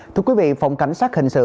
thưa quý vị phòng cảnh sát hình sự